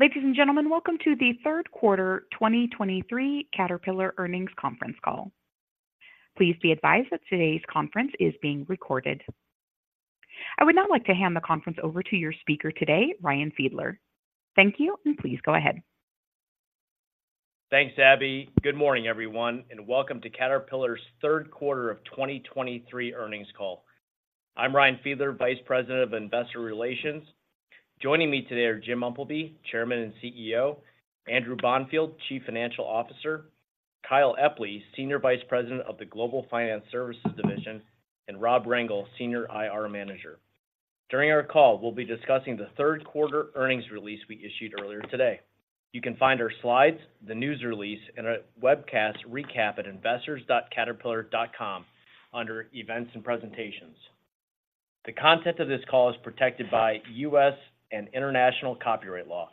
Ladies and gentlemen, welcome to the third quarter 2023 Caterpillar Earnings Conference Call. Please be advised that today's conference is being recorded. I would now like to hand the conference over to your speaker today, Ryan Fiedler. Thank you, and please go ahead. Thanks, Abby. Good morning, everyone, and welcome to Caterpillar's third quarter of 2023 earnings call. I'm Ryan Fiedler, Vice President of Investor Relations. Joining me today are Jim Umpleby, Chairman and CEO, Andrew Bonfield, Chief Financial Officer, Kyle Epley, Senior Vice President of the Global Finance Services Division, and Rob Rengel, Senior IR Manager. During our call, we'll be discussing the third quarter earnings release we issued earlier today. You can find our slides, the news release, and a webcast recap at investors.caterpillar.com under Events and Presentations. The content of this call is protected by U.S. and international copyright law.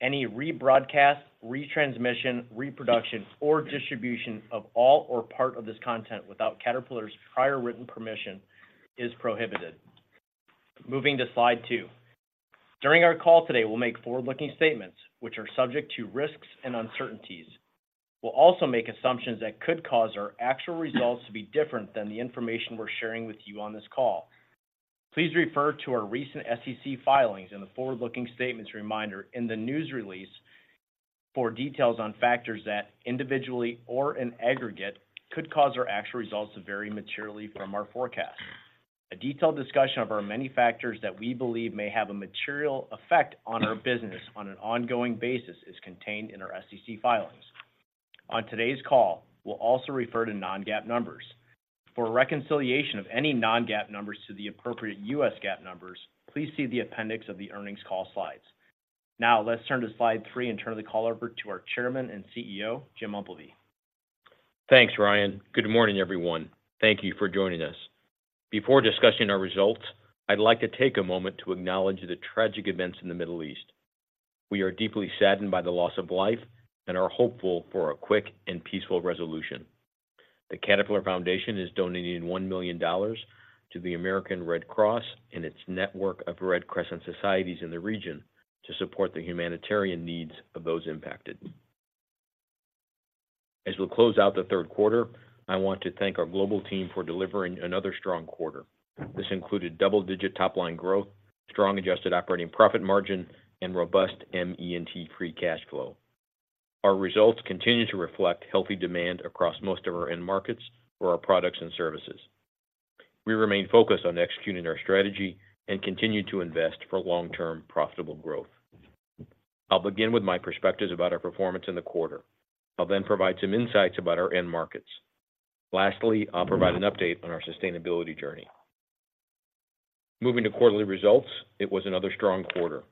Any rebroadcast, retransmission, reproduction, or distribution of all or part of this content without Caterpillar's prior written permission is prohibited. Moving to slide two. During our call today, we'll make forward-looking statements which are subject to risks and uncertainties. We'll also make assumptions that could cause our actual results to be different than the information we're sharing with you on this call. Please refer to our recent SEC filings and the forward-looking statements reminder in the news release for details on factors that individually or in aggregate could cause our actual results to vary materially from our forecast. A detailed discussion of our many factors that we believe may have a material effect on our business on an ongoing basis is contained in our SEC filings. On today's call, we'll also refer to non-GAAP numbers. For a reconciliation of any non-GAAP numbers to the appropriate U.S. GAAP numbers, please see the appendix of the earnings call slides. Now, let's turn to slide three and turn the call over to our Chairman and CEO, Jim Umpleby. Thanks, Ryan. Good morning, everyone. Thank you for joining us. Before discussing our results, I'd like to take a moment to acknowledge the tragic events in the Middle East. We are deeply saddened by the loss of life and are hopeful for a quick and peaceful resolution. The Caterpillar Foundation is donating $1 million to the American Red Cross and its network of Red Crescent Societies in the region to support the humanitarian needs of those impacted. As we close out the third quarter, I want to thank our global team for delivering another strong quarter. This included double-digit top-line growth, strong adjusted operating profit margin, and robust ME&T free cash flow. Our results continue to reflect healthy demand across most of our end markets for our products and services. We remain focused on executing our strategy and continue to invest for long-term profitable growth. I'll begin with my perspectives about our performance in the quarter. I'll then provide some insights about our end markets. Lastly, I'll provide an update on our sustainability journey. Moving to quarterly results, it was another strong quarter.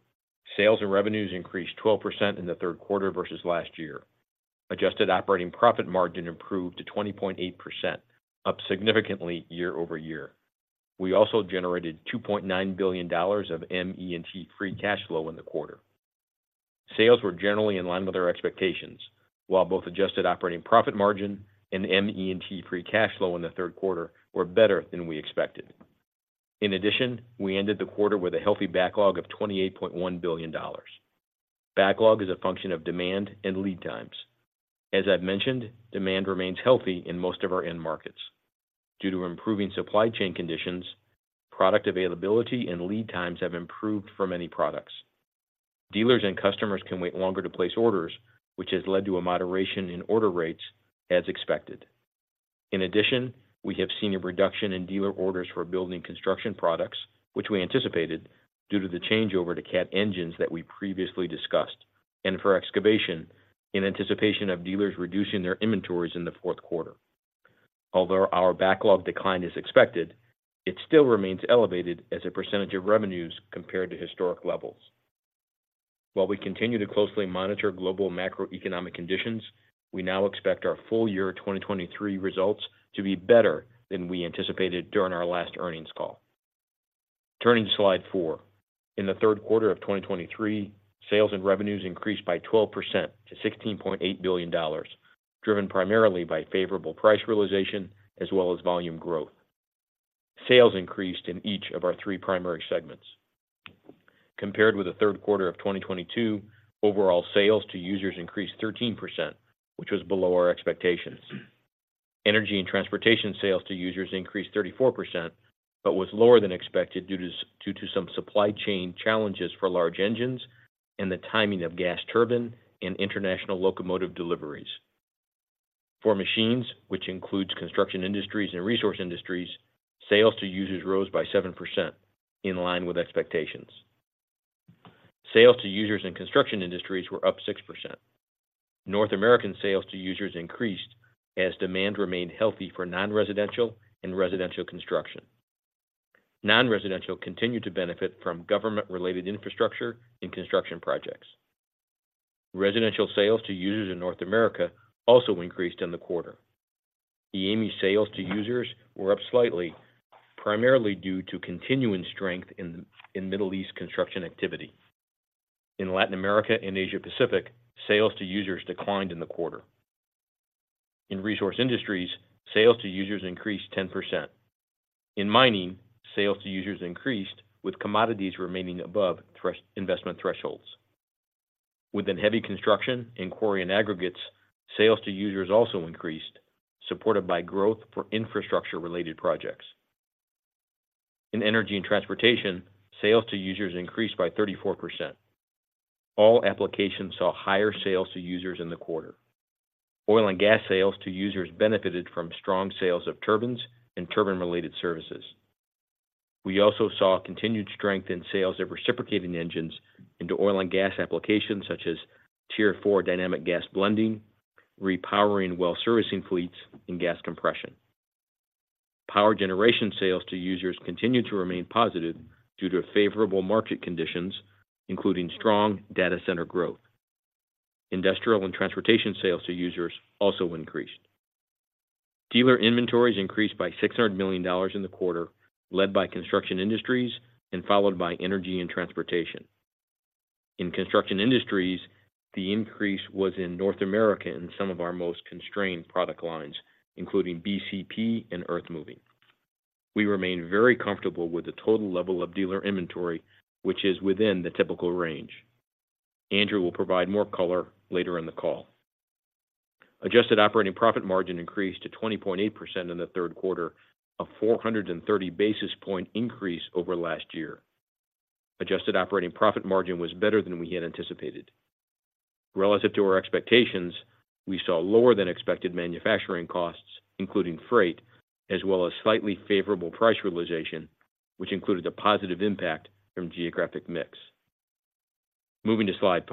Sales and revenues increased 12% in the third quarter versus last year. Adjusted operating profit margin improved to 20.8%, up significantly year-over-year. We also generated $2.9 billion of ME&T free cash flow in the quarter. Sales were generally in line with our expectations, while both adjusted operating profit margin and ME&T free cash flow in the third quarter were better than we expected. In addition, we ended the quarter with a healthy backlog of $28.1 billion. Backlog is a function of demand and lead times. As I've mentioned, demand remains healthy in most of our end markets. Due to improving supply chain conditions, product availability and lead times have improved for many products. Dealers and customers can wait longer to place orders, which has led to a moderation in order rates, as expected. In addition, we have seen a reduction in dealer orders for Building Construction Products, which we anticipated due to the changeover to Cat engines that we previously discussed, and for excavation in anticipation of dealers reducing their inventories in the fourth quarter. Although our backlog decline is expected, it still remains elevated as a percentage of revenues compared to historic levels. While we continue to closely monitor global macroeconomic conditions, we now expect our full year 2023 results to be better than we anticipated during our last earnings call. Turning to slide four. In the third quarter of 2023, sales and revenues increased by 12% to $16.8 billion, driven primarily by favorable price realization as well as volume growth. Sales increased in each of our three primary segments. Compared with the third quarter of 2022, overall sales to users increased 13%, which was below our expectations. Energy & Transportation sales to users increased 34%, but was lower than expected due to some supply chain challenges for large engines and the timing of gas turbine and international locomotive deliveries. For machines, which Construction Industries and Resource Industries, sales to users rose by 7%, in line with expectations. Sales to users Construction Industries were up 6%. North America sales to users increased as demand remained healthy for non-residential and residential construction. Non-residential continued to benefit from government-related infrastructure and construction projects. Residential sales to users in North America also increased in the quarter. EAME sales to users were up slightly, primarily due to continuing strength in Middle East construction activity. In Latin America and Asia-Pacific, sales to users declined in the quarter. In Resource Industries, sales to users increased 10%. In mining, sales to users increased, with commodities remaining above investment thresholds. Within heavy construction and quarry and aggregates, sales to users also increased, supported by growth for infrastructure-related projects. In Energy & Transportation, sales to users increased by 34%. All applications saw higher sales to users in the quarter. Oil and gas sales to users benefited from strong sales of turbines and turbine-related services. We also saw continued strength in sales of reciprocating engines into oil and gas applications, such as Tier 4 Dynamic Gas Blending, repowering well servicing fleets, and gas compression. Power generation sales to users continued to remain positive due to favorable market conditions, including strong data center growth. Industrial and transportation sales to users also increased. Dealer inventories increased by $600 million in the quarter, led Construction Industries and followed by Energy & Transportation. Construction Industries, the increase was in North America in some of our most constrained product lines, including BCP and Earthmoving. We remain very comfortable with the total level of dealer inventory, which is within the typical range. Andrew will provide more color later in the call. Adjusted operating profit margin increased to 20.8% in the third quarter, a 430 basis points increase over last year. Adjusted operating profit margin was better than we had anticipated. Relative to our expectations, we saw lower than expected manufacturing costs, including freight, as well as slightly favorable price realization, which included a positive impact from geographic mix. Moving to slide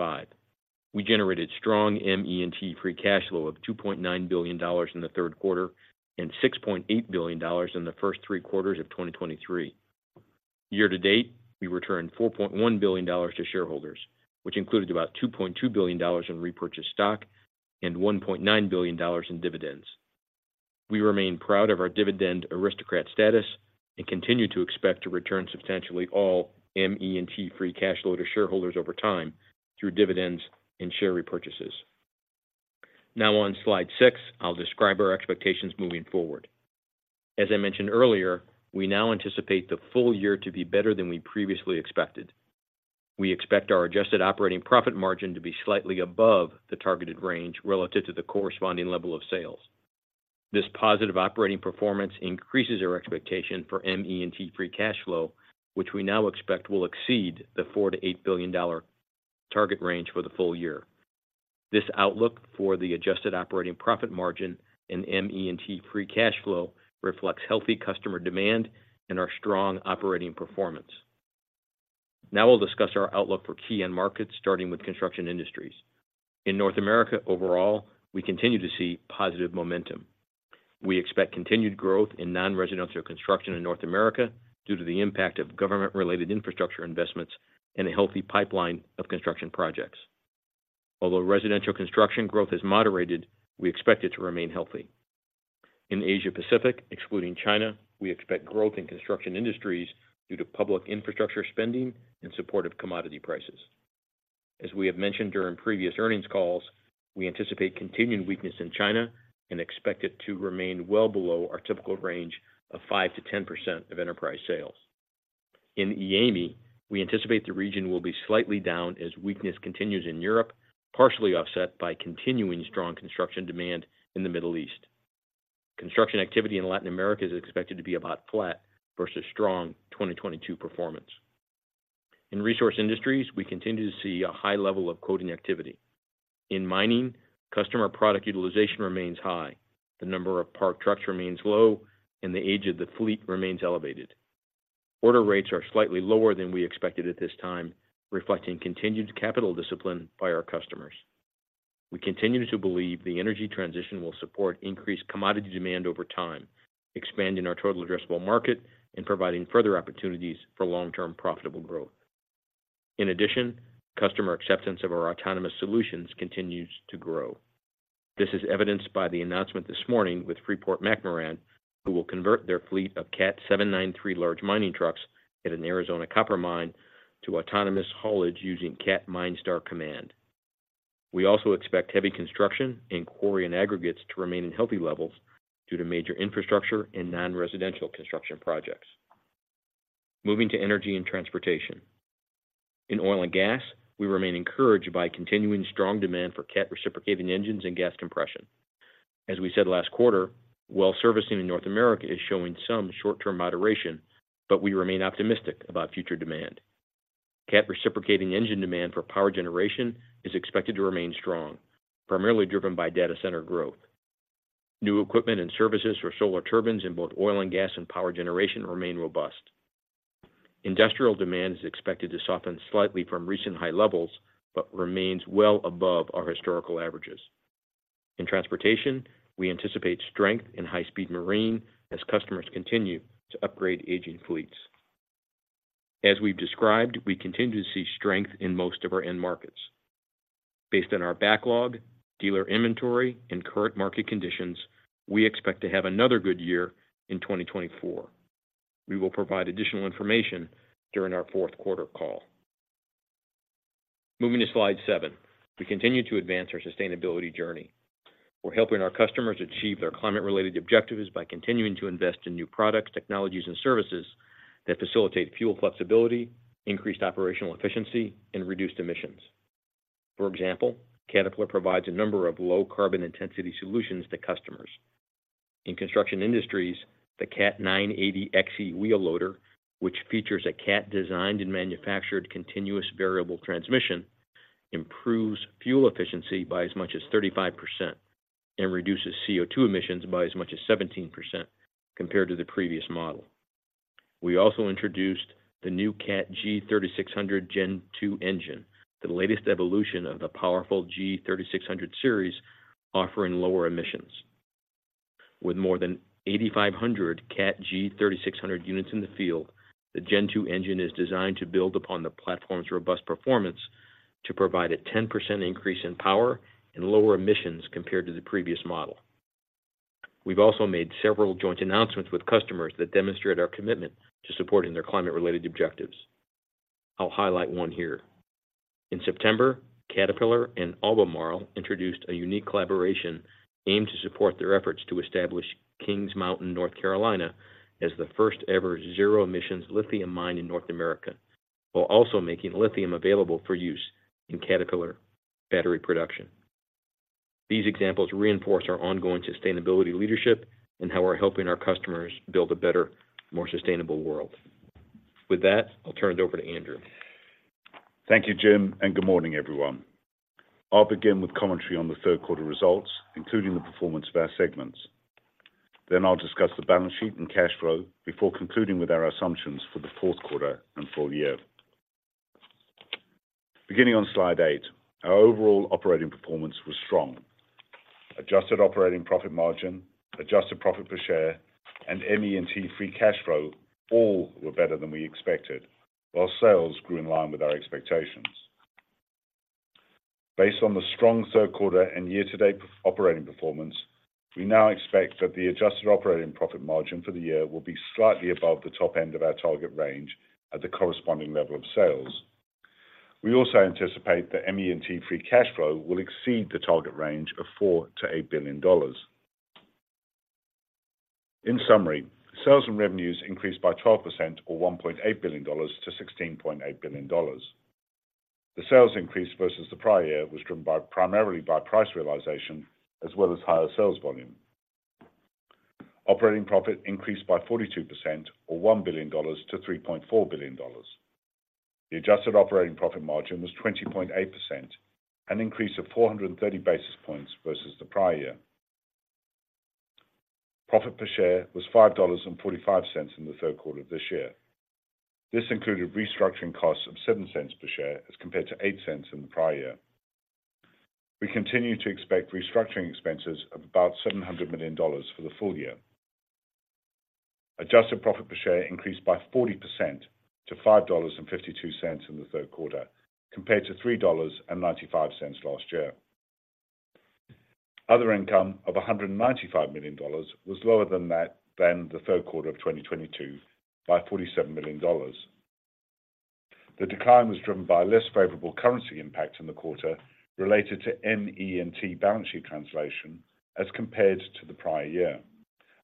five. We generated strong ME&T free cash flow of $2.9 billion in the third quarter and $6.8 billion in the first three quarters of 2023. Year to date, we returned $4.1 billion to shareholders, which included about $2.2 billion in repurchased stock and $1.9 billion in dividends. We remain proud of our Dividend Aristocrat status and continue to expect to return substantially all ME&T free cash flow to shareholders over time through dividends and share repurchases. Now on slide six, I'll describe our expectations moving forward. As I mentioned earlier, we now anticipate the full year to be better than we previously expected. We expect our adjusted operating profit margin to be slightly above the targeted range relative to the corresponding level of sales. This positive operating performance increases our expectation for ME&T free cash flow, which we now expect will exceed the $4 billion-$8 billion target range for the full year. This outlook for the adjusted operating profit margin and ME&T free cash flow reflects healthy customer demand and our strong operating performance. Now we'll discuss our outlook for key end markets, starting Construction Industries. in North America, overall, we continue to see positive momentum. We expect continued growth in non-residential construction in North America due to the impact of government-related infrastructure investments and a healthy pipeline of construction projects. Although residential construction growth has moderated, we expect it to remain healthy. In Asia-Pacific, excluding China, we expect growth Construction Industries due to public infrastructure spending and supportive commodity prices. As we have mentioned during previous earnings calls, we anticipate continued weakness in China and expect it to remain well below our typical range of 5%-10% of enterprise sales. In EAME, we anticipate the region will be slightly down as weakness continues in Europe, partially offset by continuing strong construction demand in the Middle East. Construction activity in Latin America is expected to be about flat versus strong 2022 performance. In Resource Industries, we continue to see a high level of coding activity. In mining, customer product utilization remains high, the number of parked trucks remains low, and the age of the fleet remains elevated. Order rates are slightly lower than we expected at this time, reflecting continued capital discipline by our customers. We continue to believe the energy transition will support increased commodity demand over time, expanding our total addressable market and providing further opportunities for long-term profitable growth. In addition, customer acceptance of our autonomous solutions continues to grow. This is evidenced by the announcement this morning with Freeport-McMoRan, who will convert their fleet of Cat 793 large mining trucks at an Arizona copper mine to autonomous haulage using Cat MineStar Command. We also expect heavy construction in quarry and aggregates to remain in healthy levels due to major infrastructure and non-residential construction projects. Moving to Energy & Transportation. In oil and gas, we remain encouraged by continuing strong demand for Cat reciprocating engines and gas compression. As we said last quarter, well servicing in North America is showing some short-term moderation, but we remain optimistic about future demand. Cat reciprocating engine demand for power generation is expected to remain strong, primarily driven by data center growth. New equipment and services for Solar Turbines in both oil and gas and power generation remain robust. Industrial demand is expected to soften slightly from recent high levels, but remains well above our historical averages. In transportation, we anticipate strength in high-speed marine as customers continue to upgrade aging fleets. As we've described, we continue to see strength in most of our end markets. Based on our backlog, dealer inventory, and current market conditions, we expect to have another good year in 2024. We will provide additional information during our fourth quarter call. Moving to slide seven. We continue to advance our sustainability journey. We're helping our customers achieve their climate-related objectives by continuing to invest in new products, technologies, and services that facilitate fuel flexibility, increased operational efficiency, and reduced emissions. For example, Caterpillar provides a number of low carbon intensity solutions to customers. Construction Industries, the Cat 980 XE Wheel Loader, which features a Cat-designed and manufactured continuous variable transmission, improves fuel efficiency by as much as 35% and reduces CO2 emissions by as much as 17% compared to the previous model. We also introduced the new Cat G3600 Gen 2 engine, the latest evolution of the powerful G3600 series, offering lower emissions. With more than 8,500 Cat G3600 units in the field, the Gen 2 engine is designed to build upon the platform's robust performance to provide a 10% increase in power and lower emissions compared to the previous model. We've also made several joint announcements with customers that demonstrate our commitment to supporting their climate-related objectives. I'll highlight one here. In September, Caterpillar and Albemarle introduced a unique collaboration aimed to support their efforts to establish Kings Mountain, North Carolina, as the first-ever zero-emissions lithium mine in North America, while also making lithium available for use in Caterpillar battery production. These examples reinforce our ongoing sustainability leadership and how we're helping our customers build a better, more sustainable world. With that, I'll turn it over to Andrew. Thank you, Jim, and good morning, everyone. I'll begin with commentary on the third quarter results, including the performance of our segments. Then I'll discuss the balance sheet and cash flow before concluding with our assumptions for the fourth quarter and full year. Beginning on slide eight, our overall operating performance was strong. Adjusted operating profit margin, adjusted profit per share, and ME&T free cash flow all were better than we expected, while sales grew in line with our expectations. Based on the strong third quarter and year-to-date operating performance, we now expect that the adjusted operating profit margin for the year will be slightly above the top end of our target range at the corresponding level of sales. We also anticipate that ME&T free cash flow will exceed the target range of $4 billion-$8 billion. In summary, sales and revenues increased by 12% or $1.8 billion to $16.8 billion. The sales increase versus the prior year was driven by primarily price realization as well as higher sales volume. Operating profit increased by 42% or $1 billion to $3.4 billion. The adjusted operating profit margin was 20.8%, an increase of 430 basis points versus the prior year. Profit per share was $5.45 in the third quarter of this year. This included restructuring costs of $0.07 per share as compared to $0.08 in the prior year. We continue to expect restructuring expenses of about $700 million for the full year. Adjusted profit per share increased by 40% to $5.52 in the third quarter, compared to $3.95 last year. Other income of $195 million was lower than that than the third quarter of 2022 by $47 million. The decline was driven by a less favorable currency impact in the quarter related to ME&T balance sheet translation as compared to the prior year,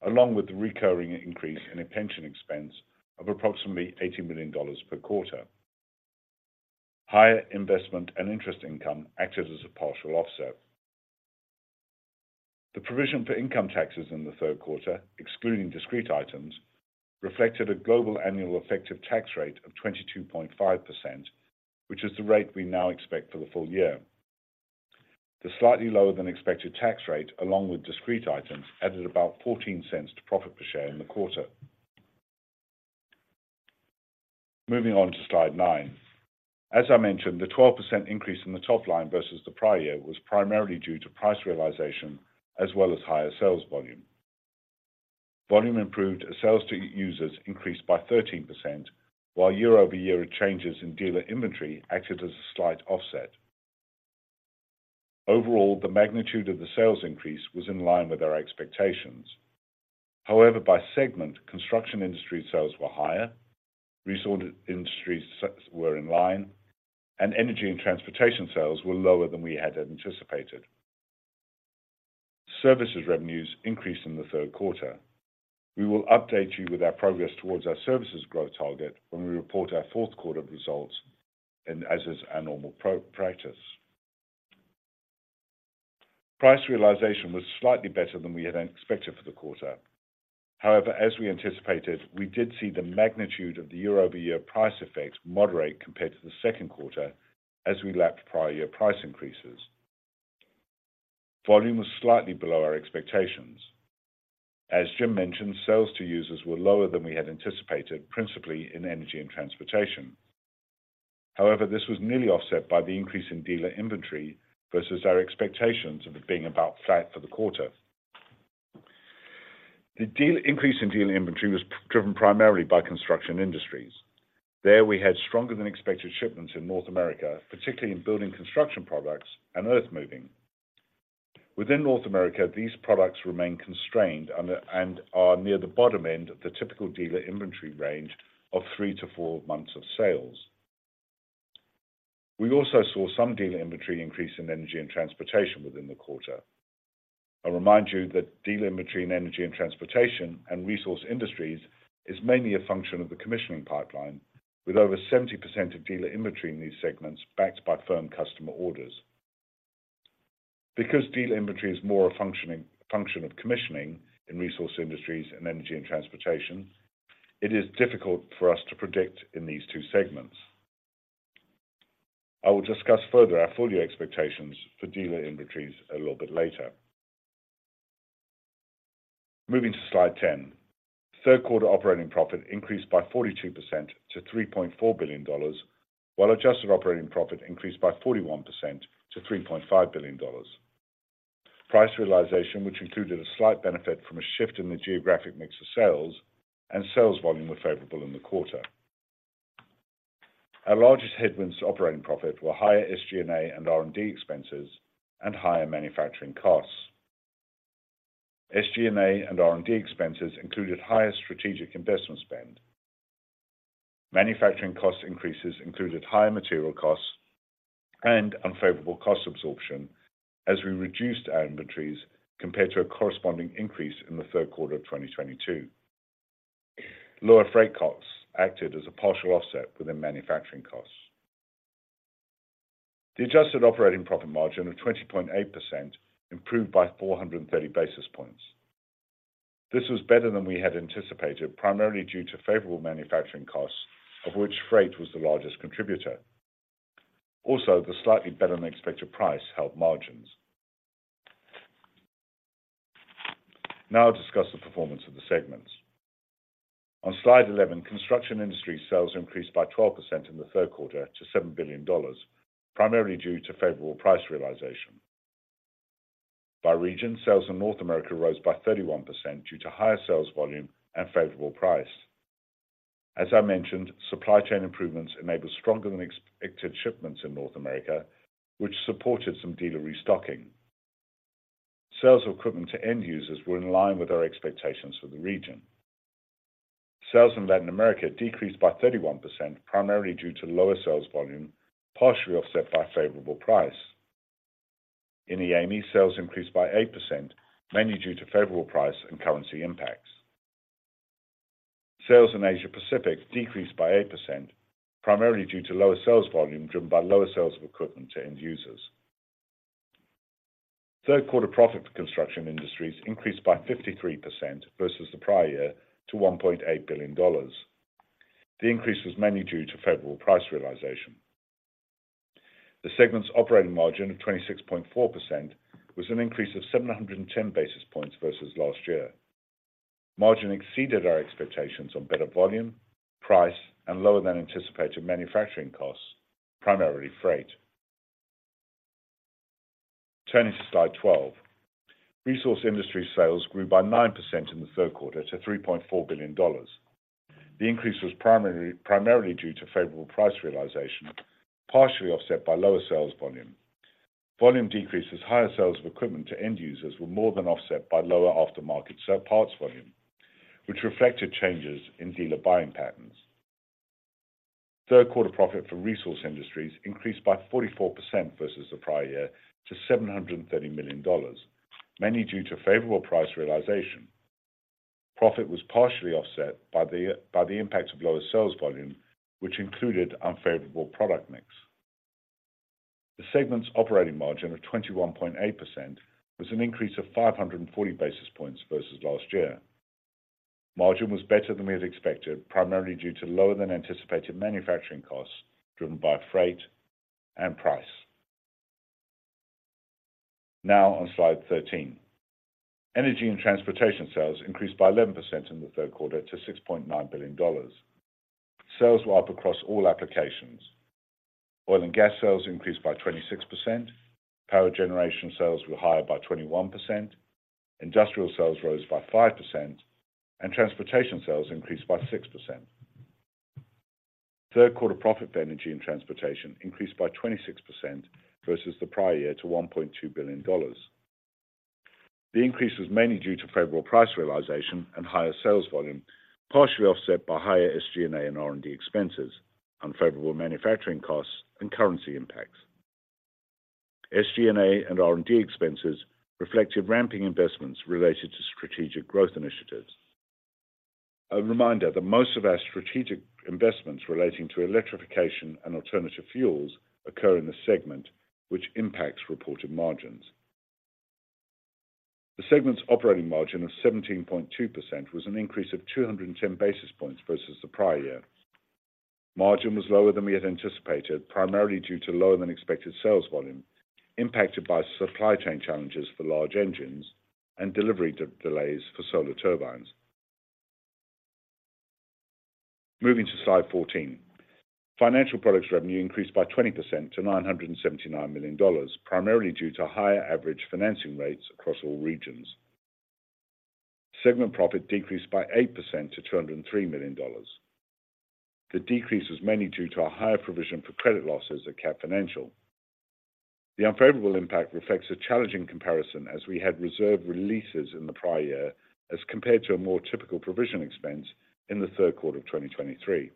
along with the recurring increase in a pension expense of approximately $80 million per quarter. Higher investment and interest income acted as a partial offset. The provision for income taxes in the third quarter, excluding discrete items, reflected a global annual effective tax rate of 22.5%, which is the rate we now expect for the full year. The slightly lower than expected tax rate, along with discrete items, added about $0.14 to profit per share in the quarter. Moving on to slide nine. As I mentioned, the 12% increase in the top line versus the prior year was primarily due to price realization as well as higher sales volume. Volume improved as sales to users increased by 13%, while year-over-year changes in dealer inventory acted as a slight offset. Overall, the magnitude of the sales increase was in line with our expectations. However, by segment, Construction Industries sales were higher, Resource Industries were in line, and Energy & Transportation sales were lower than we had anticipated. Services revenues increased in the third quarter. We will update you with our progress towards our services growth target when we report our fourth quarter results, and as is our normal practice. Price realization was slightly better than we had expected for the quarter. However, as we anticipated, we did see the magnitude of the year-over-year price effect moderate compared to the second quarter as we lapped prior year price increases. Volume was slightly below our expectations. As Jim mentioned, sales to users were lower than we had anticipated, principally in Energy & Transportation. However, this was nearly offset by the increase in dealer inventory versus our expectations of it being about flat for the quarter. The increase in dealer inventory was driven primarily Construction Industries. there, we had stronger than expected shipments in North America, particularly in Building Construction Products and Earthmoving. Within North America, these products remain constrained and are near the bottom end of the typical dealer inventory range of three-to-four months of sales. We also saw some dealer inventory increase in Energy & Transportation within the quarter. I remind you that dealer inventory in Energy & Transportation and Resource Industries is mainly a function of the commissioning pipeline, with over 70% of dealer inventory in these segments backed by firm customer orders. Because dealer inventory is more a function of commissioning in Resource Industries and Energy & Transportation, it is difficult for us to predict in these two segments. I will discuss further our full year expectations for dealer inventories a little bit later. Moving to slide 10. Third quarter operating profit increased by 42% to $3.4 billion, while adjusted operating profit increased by 41% to $3.5 billion. Price realization, which included a slight benefit from a shift in the geographic mix of sales and sales volume, were favorable in the quarter. Our largest headwinds to operating profit were higher SG&A and R&D expenses and higher manufacturing costs. SG&A and R&D expenses included higher strategic investment spend. Manufacturing cost increases included higher material costs and unfavorable cost absorption as we reduced our inventories compared to a corresponding increase in the third quarter of 2022. Lower freight costs acted as a partial offset within manufacturing costs. The adjusted operating profit margin of 20.8% improved by 430 basis points. This was better than we had anticipated, primarily due to favorable manufacturing costs, of which freight was the largest contributor. Also, the slightly better-than-expected price helped margins. Now I'll discuss the performance of the segments. On slide 11, Construction Industries sales increased by 12% in the third quarter to $7 billion, primarily due to favorable price realization. By region, sales in North America rose by 31% due to higher sales volume and favorable price. As I mentioned, supply chain improvements enabled stronger-than-expected shipments in North America, which supported some dealer restocking. Sales of equipment to end users were in line with our expectations for the region. Sales in Latin America decreased by 31%, primarily due to lower sales volume, partially offset by favorable price. In EAME, sales increased by 8%, mainly due to favorable price and currency impacts. Sales in Asia-Pacific decreased by 8%, primarily due to lower sales volume, driven by lower sales of equipment to end users. Third quarter profit Construction Industries increased by 53% versus the prior year to $1.8 billion. The increase was mainly due to favorable price realization. The segment's operating margin of 26.4% was an increase of 710 basis points versus last year. Margin exceeded our expectations on better volume, price, and lower-than-anticipated manufacturing costs, primarily freight. Turning to slide 12. Resource Industries sales grew by 9% in the third quarter to $3.4 billion. The increase was primarily due to favorable price realization, partially offset by lower sales volume. Volume decreases: higher sales of equipment to end users were more than offset by lower aftermarket parts volume, which reflected changes in dealer buying patterns. Third quarter profit for Resource Industries increased by 44% versus the prior year to $730 million, mainly due to favorable price realization. Profit was partially offset by the impact of lower sales volume, which included unfavorable product mix. The segment's operating margin of 21.8% was an increase of 540 basis points versus last year. Margin was better than we had expected, primarily due to lower-than-anticipated manufacturing costs driven by freight and price. Now on slide 13, Energy & Transportation sales increased by 11% in the third quarter to $6.9 billion. Sales were up across all applications. Oil and gas sales increased by 26%, power generation sales were higher by 21%, industrial sales rose by 5%, and transportation sales increased by 6%. Third quarter profit for Energy & Transportation increased by 26% versus the prior year to $1.2 billion. The increase was mainly due to favorable price realization and higher sales volume, partially offset by higher SG&A and R&D expenses, unfavorable manufacturing costs and currency impacts. SG&A and R&D expenses reflected ramping investments related to strategic growth initiatives. A reminder that most of our strategic investments relating to electrification and alternative fuels occur in this segment, which impacts reported margins. The segment's operating margin of 17.2% was an increase of 210 basis points versus the prior year. Margin was lower than we had anticipated, primarily due to lower-than-expected sales volume, impacted by supply chain challenges for large engines and delivery delays for Solar Turbines. Moving to slide 14. Financial Products revenue increased by 20% to $979 million, primarily due to higher average financing rates across all regions. Segment profit decreased by 8% to $203 million. The decrease was mainly due to a higher provision for credit losses at Cat Financial. The unfavorable impact reflects a challenging comparison, as we had reserve releases in the prior year as compared to a more typical provision expense in the third quarter of 2023.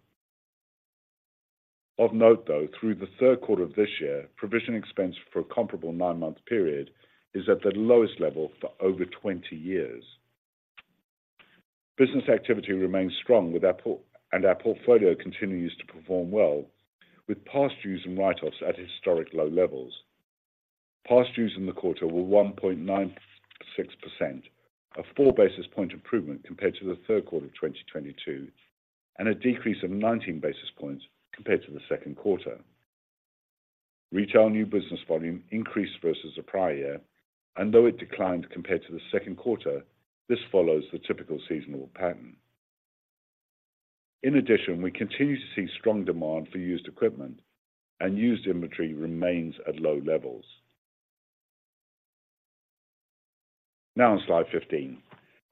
Of note, though, through the third quarter of this year, provision expense for a comparable nine-month period is at the lowest level for over 20 years. Business activity remains strong and our portfolio continues to perform well, with past dues and write-offs at historic low levels. Past dues in the quarter were 1.96%, a 4 basis point improvement compared to the third quarter of 2022, and a decrease of 19 basis points compared to the second quarter. Retail new business volume increased versus the prior year, and though it declined compared to the second quarter, this follows the typical seasonal pattern. In addition, we continue to see strong demand for used equipment and used inventory remains at low levels. Now on slide 15.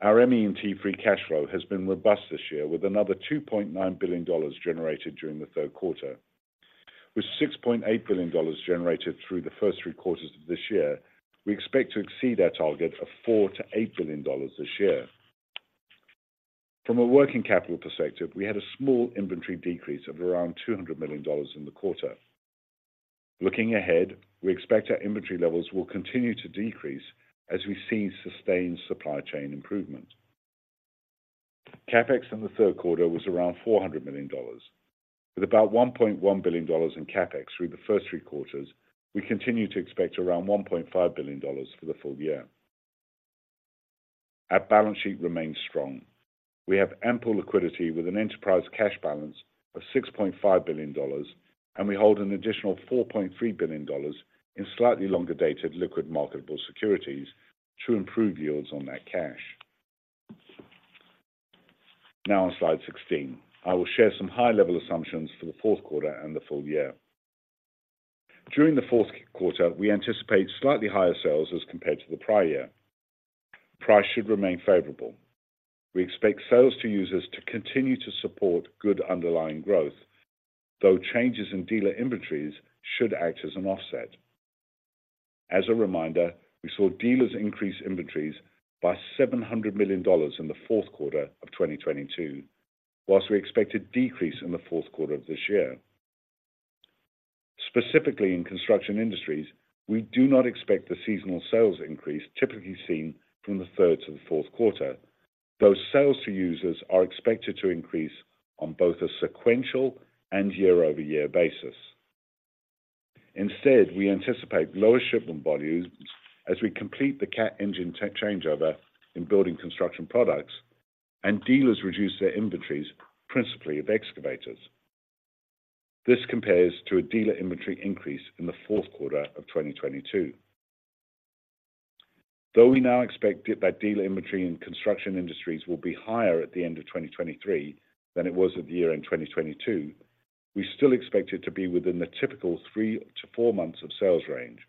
Our ME&T free cash flow has been robust this year, with another $2.9 billion generated during the third quarter. With $6.8 billion generated through the first three quarters of this year, we expect to exceed our target of $4 billion-$8 billion this year. From a working capital perspective, we had a small inventory decrease of around $200 million in the quarter. Looking ahead, we expect our inventory levels will continue to decrease as we see sustained supply chain improvement. CapEx in the third quarter was around $400 million, with about $1.1 billion in CapEx through the first three quarters. We continue to expect around $1.5 billion for the full year. Our balance sheet remains strong. We have ample liquidity with an enterprise cash balance of $6.5 billion, and we hold an additional $4.3 billion in slightly longer-dated, liquid, marketable securities to improve yields on that cash. Now on slide 16, I will share some high-level assumptions for the fourth quarter and the full year. During the fourth quarter, we anticipate slightly higher sales as compared to the prior year. Price should remain favorable. We expect sales to users to continue to support good underlying growth, though changes in dealer inventories should act as an offset. As a reminder, we saw dealers increase inventories by $700 million in the fourth quarter of 2022, while we expect a decrease in the fourth quarter of this year. Specifically in Construction Industries, we do not expect the seasonal sales increase typically seen from the third to the fourth quarter, though sales to users are expected to increase on both a sequential and year-over-year basis. Instead, we anticipate lower shipment volumes as we complete the Cat engine tech changeover in Building Construction Products and dealers reduce their inventories, principally of excavators. This compares to a dealer inventory increase in the fourth quarter of 2022. Though we now expect that dealer inventory Construction Industries will be higher at the end of 2023 than it was at the year end 2022, we still expect it to be within the typical three to four months of sales range.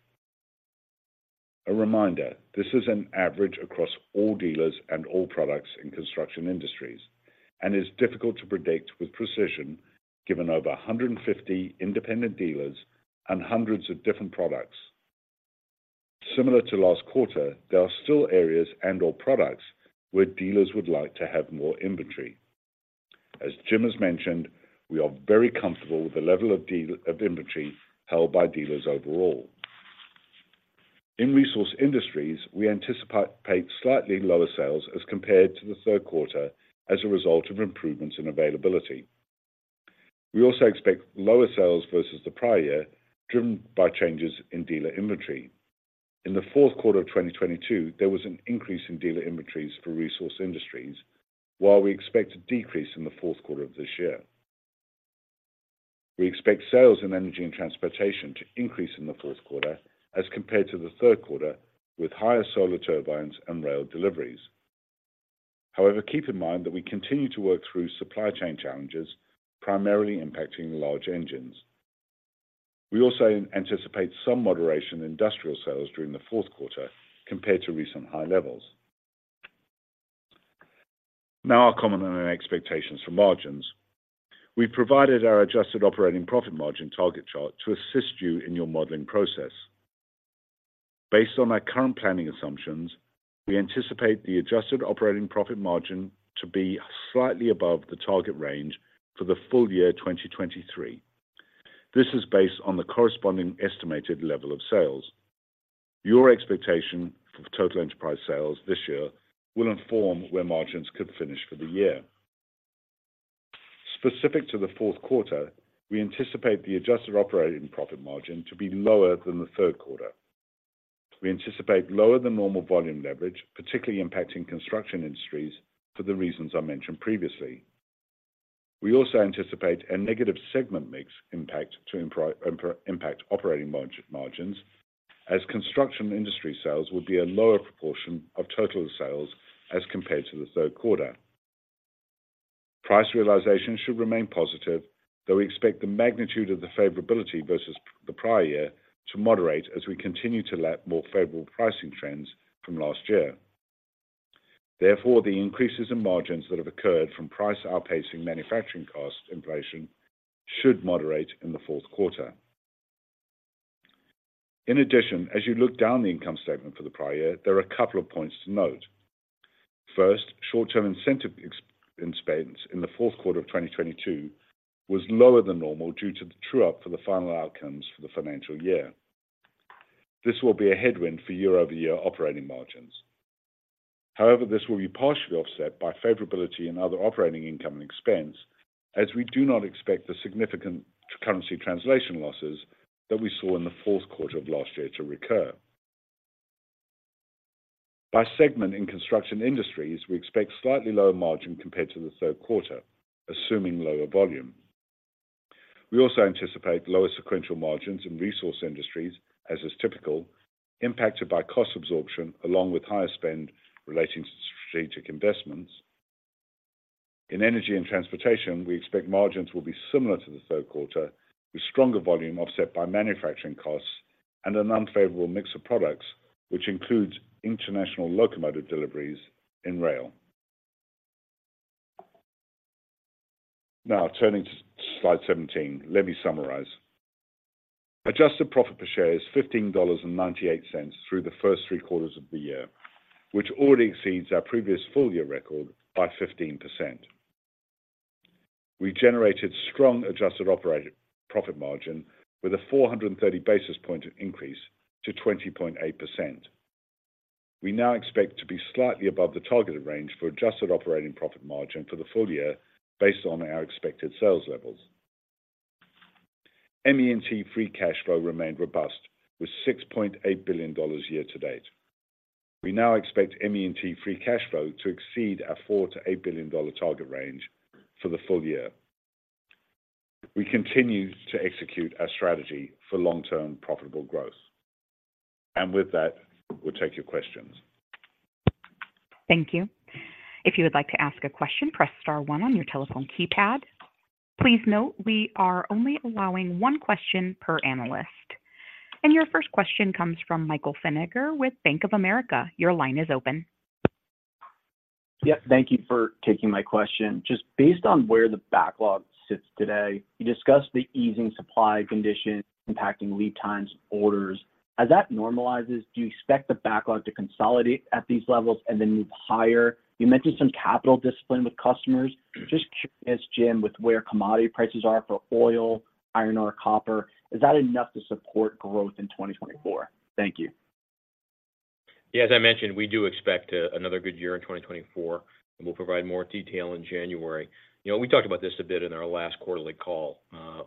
A reminder, this is an average across all dealers and all products in Construction Industries and is difficult to predict with precision, given over 150 independent dealers and hundreds of different products. Similar to last quarter, there are still areas and/or products where dealers would like to have more inventory. As Jim has mentioned, we are very comfortable with the level of dealer inventory held by dealers overall. In Resource Industries, we anticipate slightly lower sales as compared to the third quarter as a result of improvements in availability. We also expect lower sales versus the prior year, driven by changes in dealer inventory. In the fourth quarter of 2022, there was an increase in dealer inventories for Resource Industries, while we expect a decrease in the fourth quarter of this year. We expect sales in Energy & Transportation to increase in the fourth quarter as compared to the third quarter, with higher Solar Turbines and rail deliveries. However, keep in mind that we continue to work through supply chain challenges, primarily impacting large engines. We also anticipate some moderation in industrial sales during the fourth quarter compared to recent high levels. Now, our comment on our expectations for margins. We provided our adjusted operating profit margin target chart to assist you in your modeling process. Based on our current planning assumptions, we anticipate the adjusted operating profit margin to be slightly above the target range for the full year 2023. This is based on the corresponding estimated level of sales. Your expectation for total enterprise sales this year will inform where margins could finish for the year. Specific to the fourth quarter, we anticipate the adjusted operating profit margin to be lower than the third quarter. We anticipate lower than normal volume leverage, particularly impacting Construction Industries for the reasons I mentioned previously. We also anticipate a negative segment mix impact to impact operating margins, as Construction Industries sales will be a lower proportion of total sales as compared to the third quarter. Price realization should remain positive, though we expect the magnitude of the favorability versus the prior year to moderate as we continue to lap more favorable pricing trends from last year. Therefore, the increases in margins that have occurred from price outpacing manufacturing cost inflation should moderate in the fourth quarter. In addition, as you look down the income statement for the prior year, there are a couple of points to note. First, short-term incentive expense in the fourth quarter of 2022 was lower than normal due to the true-up for the final outcomes for the financial year. This will be a headwind for year-over-year operating margins. However, this will be partially offset by favorability in other operating income and expense, as we do not expect the significant currency translation losses that we saw in the fourth quarter of last year to recur. By segment in Construction Industries, we expect slightly lower margin compared to the third quarter, assuming lower volume. We also anticipate lower sequential margins in Resource Industries, as is typical, impacted by cost absorption along with higher spend relating to strategic investments. In Energy & Transportation, we expect margins will be similar to the third quarter, with stronger volume offset by manufacturing costs and an unfavorable mix of products, which includes international locomotive deliveries in rail. Now, turning to slide 17, let me summarize. Adjusted profit per share is $15.98 through the first three quarters of the year, which already exceeds our previous full year record by 15%. We generated strong adjusted operating profit margin with a 430 basis point increase to 20.8%. We now expect to be slightly above the targeted range for adjusted operating profit margin for the full year based on our expected sales levels. ME&T free cash flow remained robust, with $6.8 billion year to date. We now expect ME&T free cash flow to exceed our $4 billion-$8 billion target range for the full year. We continue to execute our strategy for long-term profitable growth. And with that, we'll take your questions. Thank you. If you would like to ask a question, press star one on your telephone keypad. Please note we are only allowing one question per analyst. And your first question comes from Michael Feniger with Bank of America. Your line is open. Yep, thank you for taking my question. Just based on where the backlog sits today, you discussed the easing supply conditions impacting lead times orders. As that normalizes, do you expect the backlog to consolidate at these levels and then move higher? You mentioned some capital discipline with customers. Just curious, Jim, with where commodity prices are for oil, iron ore, copper, is that enough to support growth in 2024? Thank you. Yeah, as I mentioned, we do expect another good year in 2024, and we'll provide more detail in January. You know, we talked about this a bit in our last quarterly call.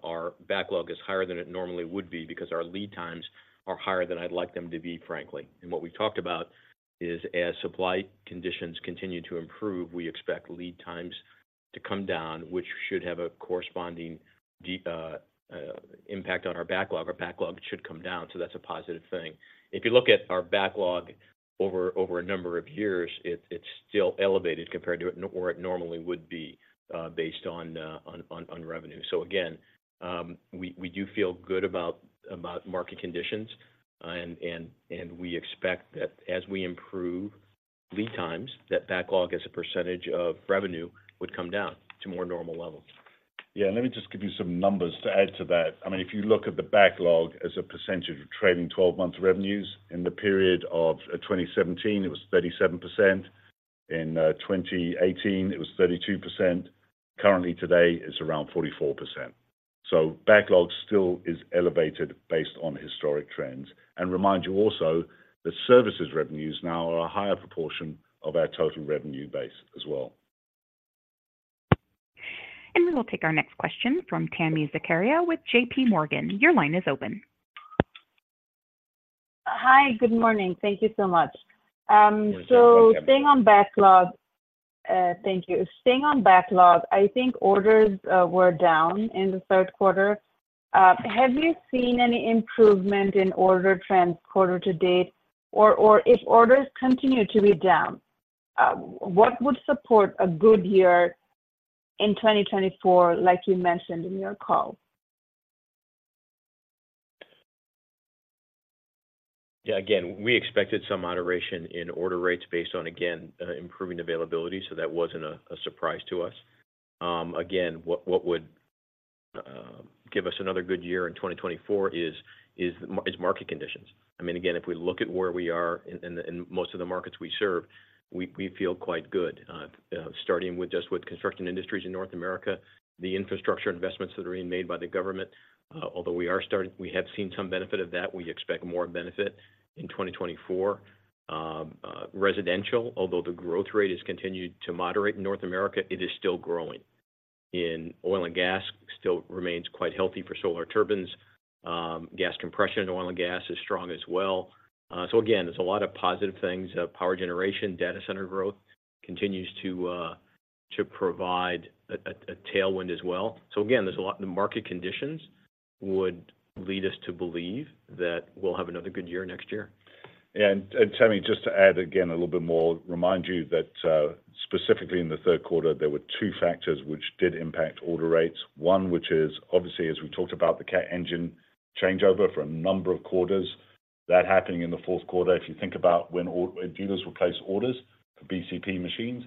Our backlog is higher than it normally would be because our lead times are higher than I'd like them to be, frankly. What we've talked about is, as supply conditions continue to improve, we expect lead times to come down, which should have a corresponding impact on our backlog. Our backlog should come down, so that's a positive thing. If you look at our backlog over a number of years, it's still elevated compared to where it normally would be, based on revenue. So again, we do feel good about market conditions. And we expect that as we improve lead times, that backlog as a percentage of revenue would come down to more normal levels. Yeah, let me just give you some numbers to add to that. I mean, if you look at the backlog as a percentage of trailing 12-month revenues, in the period of 2017, it was 37%. In 2018, it was 32%. Currently, today, it's around 44%. So backlog still is elevated based on historic trends. And remind you also that services revenues now are a higher proportion of our total revenue base as well. We will take our next question from Tami Zakaria with JPMorgan. Your line is open. Hi, good morning. Thank you so much. Morning, Tami. So staying on backlog... Thank you. Staying on backlog, I think orders were down in the third quarter. Have you seen any improvement in order trends quarter to date? Or, if orders continue to be down, what would support a good year in 2024, like you mentioned in your call? Yeah, again, we expected some moderation in order rates based on, again, improving availability, so that wasn't a surprise to us. Again, what would give us another good year in 2024 is market conditions. I mean, again, if we look at where we are in most of the markets we serve, we feel quite good. Starting with just Construction Industries in North America, the infrastructure investments that are being made by the government, although we are starting, we have seen some benefit of that, we expect more benefit in 2024. Residential, although the growth rate has continued to moderate in North America, it is still growing. In oil and gas, still remains quite healthy for Solar Turbines. Gas compression in oil and gas is strong as well. So again, there's a lot of positive things. Power generation, data center growth continues to provide a tailwind as well. So again, there's a lot in the market conditions would lead us to believe that we'll have another good year next year. Yeah, and, Tami, just to add again a little bit more, remind you that, specifically in the third quarter, there were two factors which did impact order rates. One, which is obviously, as we've talked about, the Cat engine changeover for a number of quarters, that happening in the fourth quarter. If you think about when dealers replace orders for BCP machines,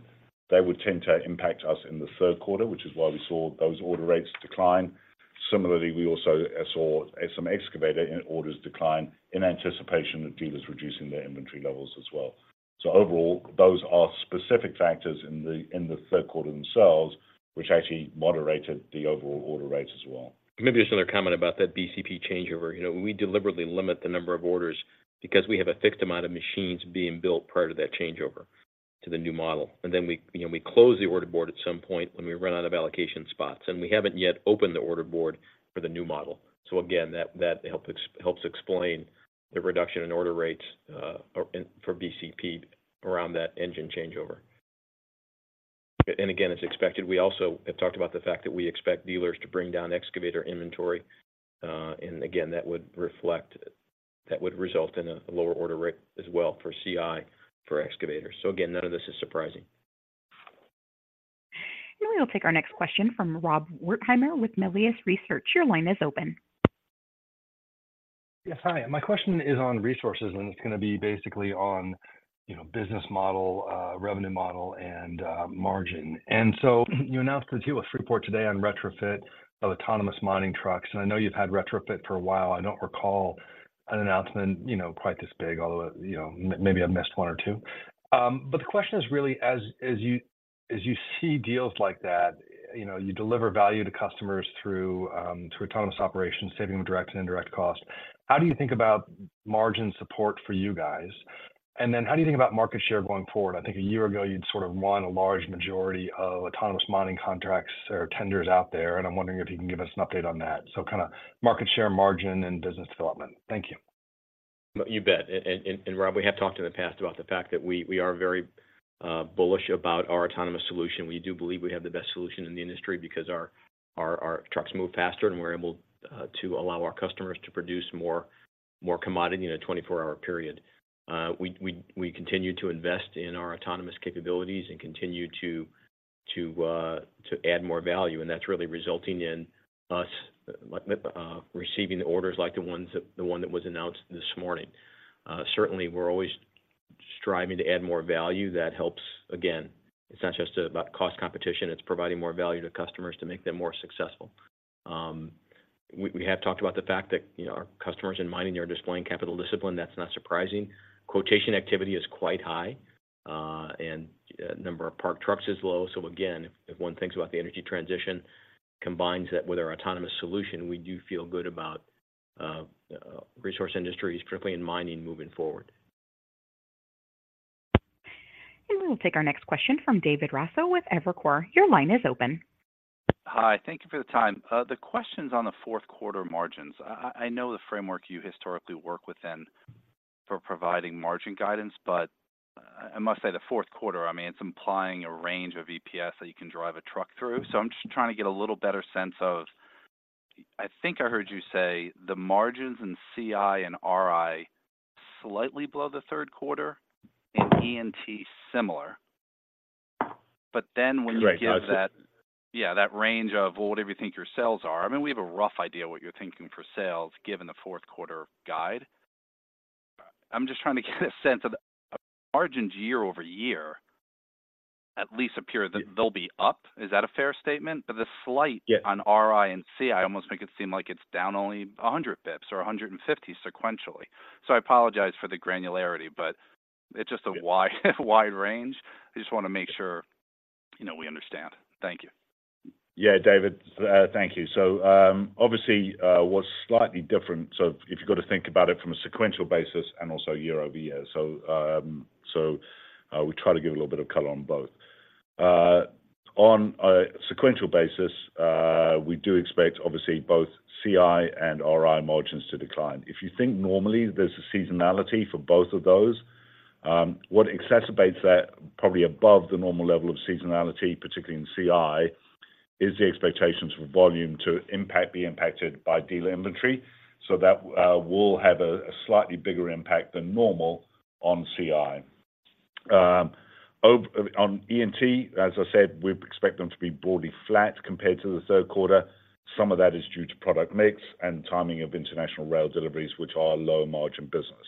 they would tend to impact us in the third quarter, which is why we saw those order rates decline. Similarly, we also saw some excavator orders decline in anticipation of dealers reducing their inventory levels as well. So overall, those are specific factors in the third quarter themselves, which actually moderated the overall order rates as well. Maybe just another comment about that BCP changeover. You know, we deliberately limit the number of orders because we have a fixed amount of machines being built prior to that changeover to the new model. And then we, you know, we close the order board at some point when we run out of allocation spots, and we haven't yet opened the order board for the new model. So again, that helps explain the reduction in order rates, or in, for BCP around that engine changeover. And again, as expected, we also have talked about the fact that we expect dealers to bring down excavator inventory. And again, that would reflect—that would result in a lower order rate as well for CI, for excavators. So again, none of this is surprising. Now we'll take our next question from Rob Wertheimer with Melius Research. Your line is open. Yes. Hi, my question is on Resources, and it's gonna be basically on, you know, business model, revenue model, and margin. And so you announced the Q3 report today on retrofit of autonomous mining trucks. And I know you've had retrofit for a while. I don't recall an announcement, you know, quite this big, although, you know, maybe I missed one or two. But the question is really as you see deals like that, you know, you deliver value to customers through autonomous operations, saving them direct and indirect costs. How do you think about margin support for you guys? And then how do you think about market share going forward? I think a year ago, you'd sort of won a large majority of autonomous mining contracts or tenders out there, and I'm wondering if you can give us an update on that. So market share, margin, and business development. Thank you. You bet. And, Rob, we have talked in the past about the fact that we are very bullish about our autonomous solution. We do believe we have the best solution in the industry because our trucks move faster and we're able to allow our customers to produce more commodity in a 24-hour period. We continue to invest in our autonomous capabilities and continue to add more value, and that's really resulting in us receiving the orders like the ones that—the one that was announced this morning. Certainly, we're always striving to add more value. That helps again, it's not just about cost competition, it's providing more value to customers to make them more successful. We have talked about the fact that, you know, our customers in mining are displaying capital discipline. That's not surprising. Quotation activity is quite high, and number of parked trucks is low. So again, if one thinks about the energy transition, combines that with our autonomous solution, we do feel good about Resource Industries, particularly in mining, moving forward. We will take our next question from David Raso with Evercore. Your line is open. Hi, thank you for the time. The question's on the fourth quarter margins. I know the framework you historically work within for providing margin guidance, but I must say, the fourth quarter, I mean, it's implying a range of EPS that you can drive a truck through. So I'm just trying to get a little better sense of... I think I heard you say the margins in CI and RI slightly below the third quarter, and E&T similar. But then when you give that range of whatever you think your sales are. I mean, we have a rough idea what you're thinking for sales, given the fourth quarter guide. I'm just trying to get a sense of the margins year-over-year, at least appear that they'll be up. Is that a fair statement? But the slight-... on RI and CI almost make it seem like it's down only 100 basis points or 150 sequentially. So I apologize for the granularity, but it's just a wide, wide range. I just want to make sure, you know, we understand. Thank you. Yeah, David, thank you. So, obviously, what's slightly different, so if you've got to think about it from a sequential basis and also year-over-year. So, we try to give a little bit of color on both. On a sequential basis, we do expect obviously both CI and RI margins to decline. If you think normally, there's a seasonality for both of those. What exacerbates that, probably above the normal level of seasonality, particularly in CI, is the expectations for volume to be impacted by dealer inventory. So that will have a slightly bigger impact than normal on CI. On E&T, as I said, we expect them to be broadly flat compared to the third quarter. Some of that is due to product mix and timing of international rail deliveries, which are a low-margin business.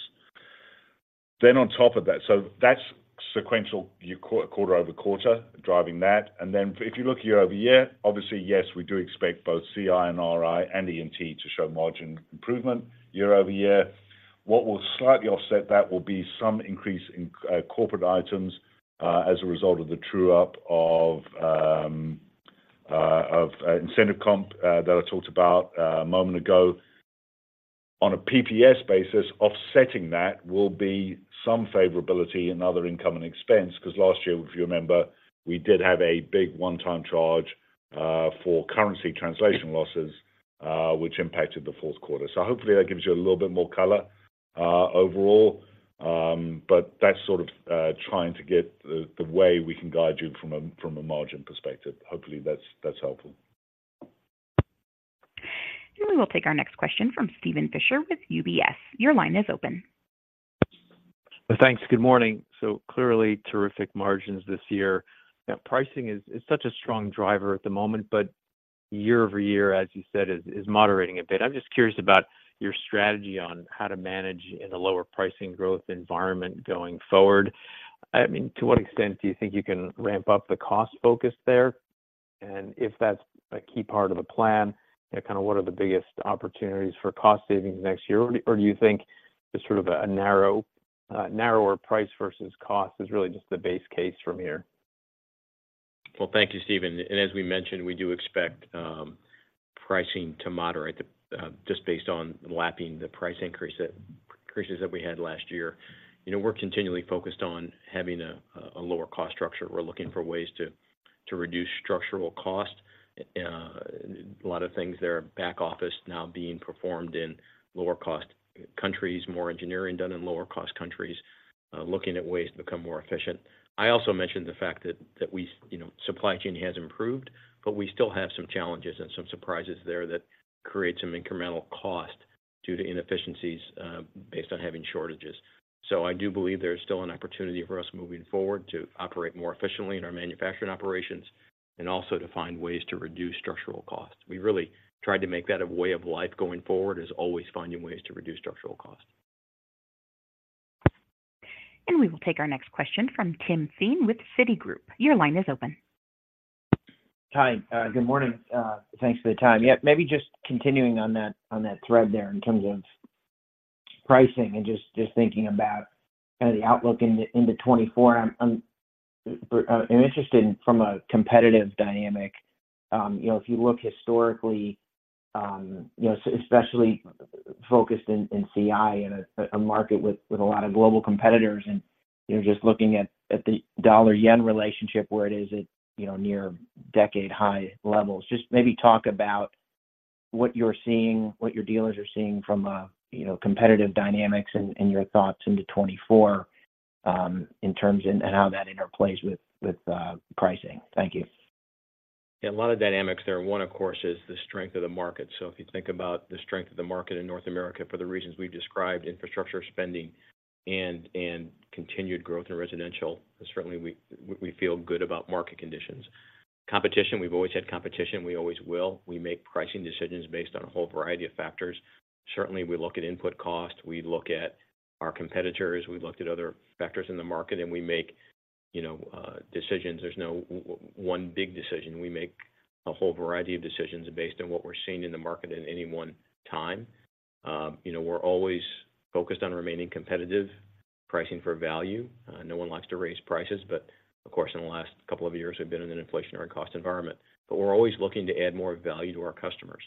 Then on top of that, so that's sequential, quarter-over-quarter, driving that. And then if you look year-over-year, obviously, yes, we do expect both CI and RI and E&T to show margin improvement year-over-year. What will slightly offset that will be some increase in corporate items as a result of the true-up of incentive comp that I talked about a moment ago. On a PPS basis, offsetting that will be some favorability in other income and expense, because last year, if you remember, we did have a big one-time charge for currency translation losses which impacted the fourth quarter. So hopefully that gives you a little bit more color.... overall. But that's sort of trying to get the way we can guide you from a margin perspective. Hopefully that's helpful. We will take our next question from Steven Fisher with UBS. Your line is open. Thanks. Good morning. So clearly terrific margins this year. That pricing is such a strong driver at the moment, but year-over-year, as you said, is moderating a bit. I'm just curious about your strategy on how to manage in a lower pricing growth environment going forward. I mean, to what extent do you think you can ramp up the cost focus there? And if that's a key part of the plan, you know, kind of what are the biggest opportunities for cost savings next year? Or do you think just sort of a narrower price versus cost is really just the base case from here? Well, thank you, Steven. And as we mentioned, we do expect pricing to moderate just based on lapping the price increases that we had last year. You know, we're continually focused on having a lower cost structure. We're looking for ways to reduce structural cost. A lot of things that are back office now being performed in lower cost countries, more engineering done in lower cost countries, looking at ways to become more efficient. I also mentioned the fact that we—you know, supply chain has improved, but we still have some challenges and some surprises there that create some incremental cost due to inefficiencies, based on having shortages. So I do believe there's still an opportunity for us moving forward to operate more efficiently in our manufacturing operations, and also to find ways to reduce structural costs. We really tried to make that a way of life going forward, is always finding ways to reduce structural cost. We will take our next question from Tim Thein with Citigroup. Your line is open. Hi. Good morning. Thanks for the time. Yeah, maybe just continuing on that, on that thread there in terms of pricing and just, just thinking about kind of the outlook into, into 2024. I'm, I'm interested from a competitive dynamic. You know, if you look historically, you know, especially focused in, in CI, in a, a market with, with a lot of global competitors, and you're just looking at, at the dollar-yen relationship where it is at, you know, near decade-high levels. Just maybe talk about what you're seeing, what your dealers are seeing from a, you know, competitive dynamics and, and your thoughts into 2024, in terms and, and how that interplays with, with, pricing. Thank you. Yeah, a lot of dynamics there. One, of course, is the strength of the market. So if you think about the strength of the market in North America for the reasons we've described, infrastructure spending and continued growth in residential, certainly we feel good about market conditions. Competition, we've always had competition. We always will. We make pricing decisions based on a whole variety of factors. Certainly, we look at input costs, we look at our competitors, we looked at other factors in the market, and we make, you know, decisions. There's no one big decision. We make a whole variety of decisions based on what we're seeing in the market at any one time. You know, we're always focused on remaining competitive, pricing for value. No one likes to raise prices, but of course, in the last couple of years, we've been in an inflationary cost environment. But we're always looking to add more value to our customers,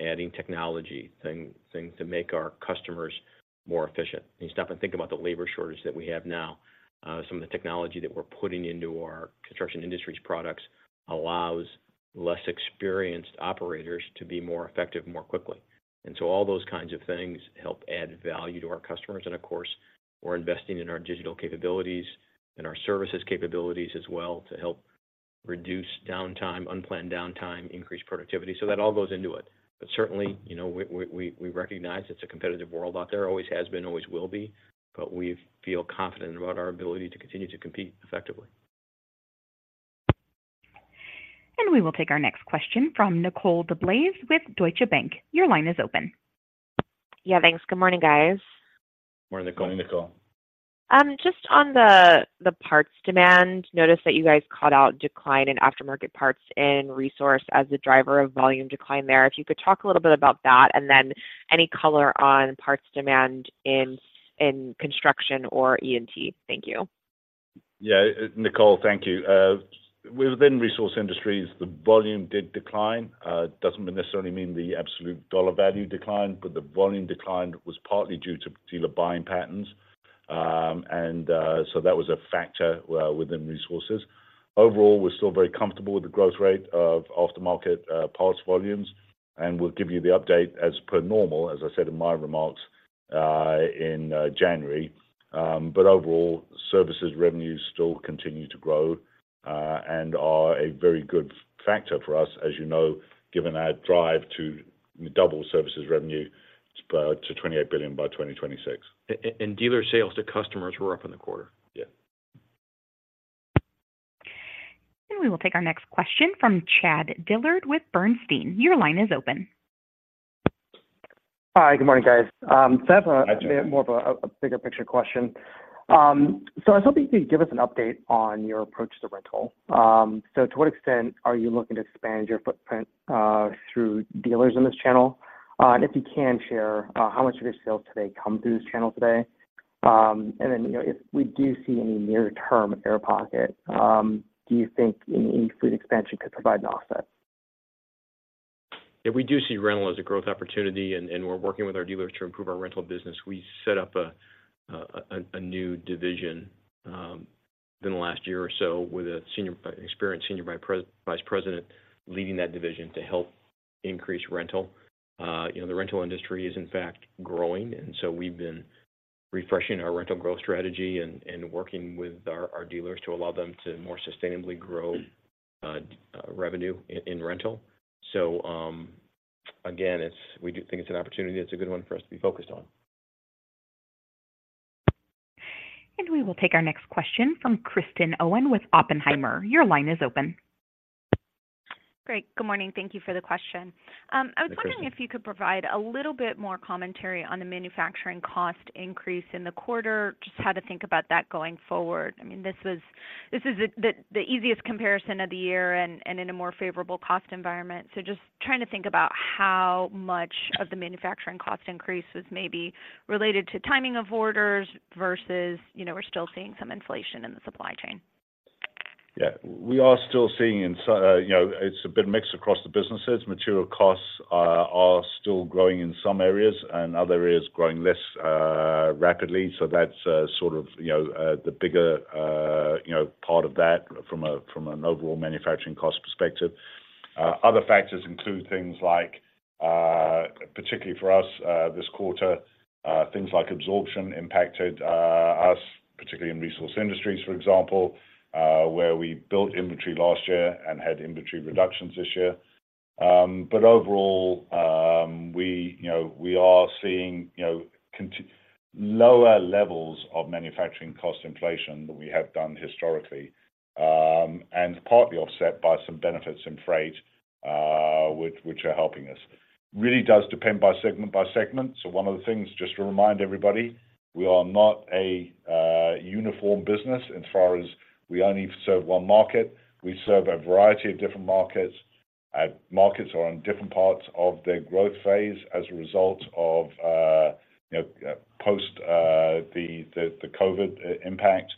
adding technology, things to make our customers more efficient. You stop and think about the labor shortage that we have now. Some of the technology that we're putting into our Construction Industries products allows less experienced operators to be more effective, more quickly. And so all those kinds of things help add value to our customers. And of course, we're investing in our digital capabilities and our services capabilities as well, to help reduce downtime, unplanned downtime, increase productivity. So that all goes into it. But certainly, you know, we recognize it's a competitive world out there. Always has been, always will be, but we feel confident about our ability to continue to compete effectively. We will take our next question from Nicole DeBlase with Deutsche Bank. Your line is open. Yeah, thanks. Good morning, guys. Morning, Nicole. Morning, Nicole. Just on the parts demand, notice that you guys called out decline in aftermarket parts and Resource as a driver of volume decline there. If you could talk a little bit about that, and then any color on parts demand in construction or E&T. Thank you. Yeah, Nicole, thank you. Within Resource Industries, the volume did decline. It doesn't necessarily mean the absolute dollar value declined, but the volume decline was partly due to dealer buying patterns. So that was a factor within Resources. Overall, we're still very comfortable with the growth rate of aftermarket parts volumes, and we'll give you the update as per normal, as I said in my remarks, in January. But overall, services revenues still continue to grow, and are a very good factor for us, as you know, given our drive to double services revenue by—to $28 billion by 2026. And dealer sales to customers were up in the quarter. Yeah. We will take our next question from Chad Dillard with Bernstein. Your line is open. Hi. Good morning, guys. Hi, Chad More of a bigger picture question. So I was hoping you could give us an update on your approach to rental. So to what extent are you looking to expand your footprint through dealers in this channel? And if you can share how much of your sales today come through this channel today? And then, you know, if we do see any near-term air pocket, do you think any fleet expansion could provide an offset? Yeah, we do see rental as a growth opportunity, and we're working with our dealers to improve our rental business. We set up a new division within the last year or so with an experienced Senior Vice President leading that division to help increase rental. You know, the rental industry is in fact growing, and so we've been refreshing our rental growth strategy and working with our dealers to allow them to more sustainably grow revenue in rental. So, again, we do think it's an opportunity, it's a good one for us to be focused on. And we will take our next question from Kristen Owen with Oppenheimer. Your line is open. Great. Good morning. Thank you for the question. Hey, Kristen. I was wondering if you could provide a little bit more commentary on the manufacturing cost increase in the quarter, just how to think about that going forward. I mean, this is the easiest comparison of the year and in a more favorable cost environment. So just trying to think about how much of the manufacturing cost increase was maybe related to timing of orders versus, you know, we're still seeing some inflation in the supply chain. Yeah, we are still seeing in some, you know, it's a bit mixed across the businesses. Material costs are still growing in some areas, and other areas growing less rapidly. So that's sort of, you know, the bigger, you know, part of that from an overall manufacturing cost perspective. Other factors include things like, particularly for us this quarter, things like absorption, impacted us, particularly in Resource Industries, for example, where we built inventory last year and had inventory reductions this year. But overall, we, you know, we are seeing, you know, lower levels of manufacturing cost inflation than we have done historically, and partly offset by some benefits in freight, which are helping us. Really does depend by segment by segment. So one of the things, just to remind everybody, we are not a uniform business as far as we only serve one market. We serve a variety of different markets. Markets are on different parts of their growth phase as a result of, you know, post the COVID impact.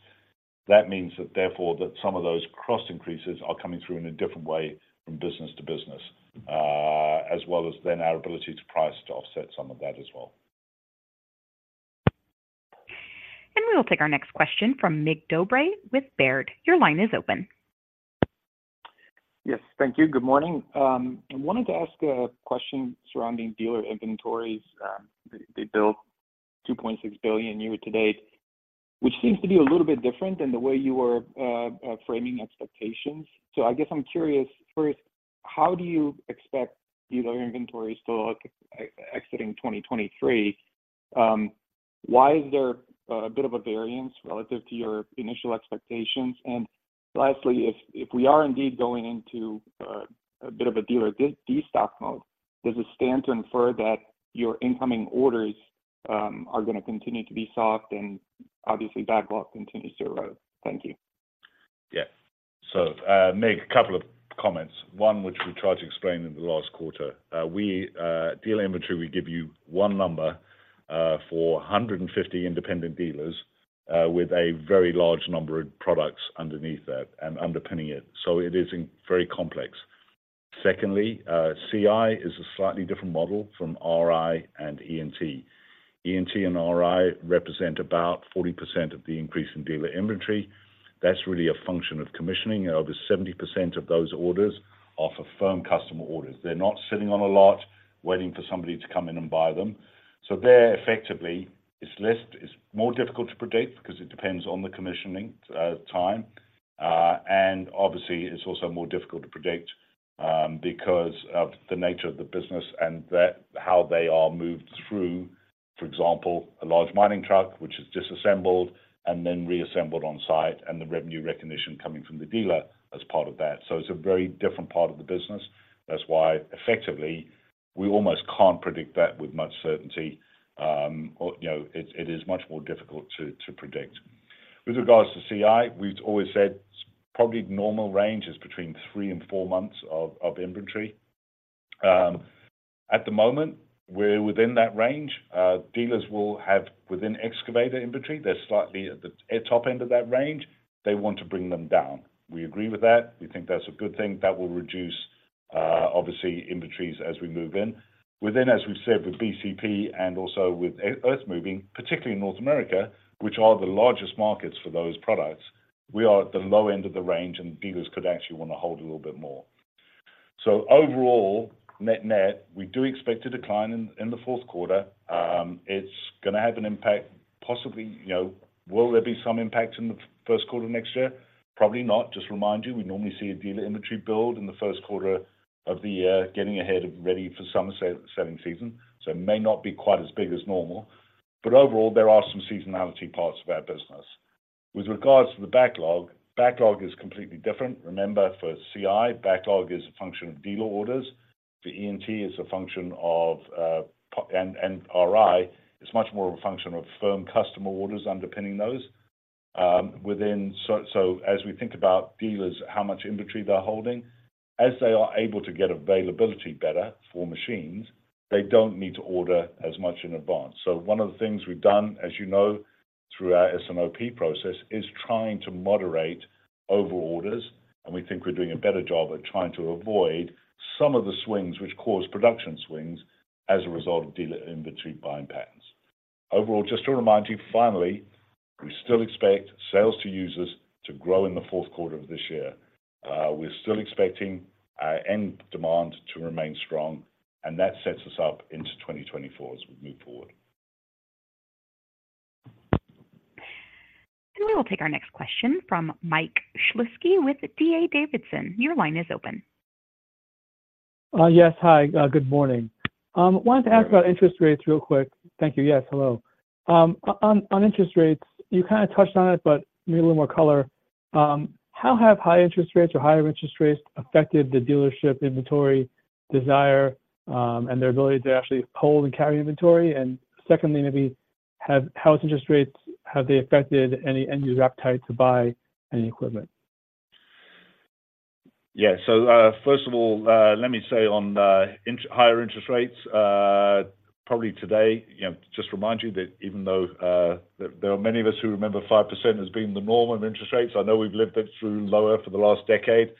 That means that therefore, that some of those cross increases are coming through in a different way from business to business, as well as then our ability to price to offset some of that as well. We will take our next question from Mig Dobre with Baird. Your line is open. Yes. Thank you. Good morning. I wanted to ask a question surrounding dealer inventories. They built $2.6 billion year to date, which seems to be a little bit different than the way you were framing expectations. So I guess I'm curious, first, how do you expect dealer inventories to look exiting 2023? Why is there a bit of a variance relative to your initial expectations? And lastly, if we are indeed going into a bit of a dealer destock mode, does it stand to infer that your incoming orders are gonna continue to be soft and obviously backlog continues to erode? Thank you. Yeah. So, Mig, a couple of comments, one, which we tried to explain in the last quarter. We, dealer inventory, we give you one number, for 150 independent dealers, with a very large number of products underneath that and underpinning it, so it is very complex. Secondly, CI is a slightly different model from RI and E&T. E&T and RI represent about 40% of the increase in dealer inventory. That's really a function of commissioning. Over 70% of those orders are for firm customer orders. They're not sitting on a lot waiting for somebody to come in and buy them. So there, effectively, it's less, it's more difficult to predict because it depends on the commissioning time. Obviously, it's also more difficult to predict because of the nature of the business and that, how they are moved through. For example, a large mining truck, which is disassembled and then reassembled on site, and the revenue recognition coming from the dealer as part of that. So it's a very different part of the business. That's why, effectively, we almost can't predict that with much certainty, or, you know, it's, it is much more difficult to predict. With regards to CI, we've always said probably normal range is between three and four months of inventory. At the moment, we're within that range. Dealers will have within excavator inventory, they're slightly at the top end of that range. They want to bring them down. We agree with that. We think that's a good thing. That will reduce obviously inventories as we move in. Within, as we've said, with BCP and also with Earthmoving, particularly in North America, which are the largest markets for those products, we are at the low end of the range, and dealers could actually want to hold a little bit more. So overall, net-net, we do expect a decline in the fourth quarter. It's gonna have an impact, possibly, you know, will there be some impact in the first quarter of next year? Probably not. Just remind you, we normally see a dealer inventory build in the first quarter of the year, getting ahead of ready for summer selling season, so it may not be quite as big as normal. But overall, there are some seasonality parts of our business. With regards to the backlog, backlog is completely different. Remember, for CI, backlog is a function of dealer orders. For E&T, it's a function of, and, and RI, it's much more of a function of firm customer orders underpinning those. So, so as we think about dealers, how much inventory they're holding, as they are able to get availability better for machines, they don't need to order as much in advance. So one of the things we've done, as you know, through our S&OP process, is trying to moderate over orders, and we think we're doing a better job at trying to avoid some of the swings which cause production swings as a result of dealer inventory buying patterns. Overall, just to remind you, finally, we still expect sales to users to grow in the fourth quarter of this year. We're still expecting our end demand to remain strong, and that sets us up into 2024 as we move forward. We will take our next question from Mike Shlisky with D.A. Davidson. Your line is open. Yes. Hi. Good morning. Wanted to ask- Good morning. - about interest rates real quick. Thank you. Yes, hello. On interest rates, you kind of touched on it, but give me a little more color. How have high interest rates or higher interest rates affected the dealership inventory desire, and their ability to actually hold and carry inventory? And secondly, maybe, how has interest rates, have they affected any end user appetite to buy any equipment? Yeah. So, first of all, let me say on higher interest rates, probably today, you know, just remind you that even though there are many of us who remember 5% as being the norm of interest rates, I know we've lived it through lower for the last decade.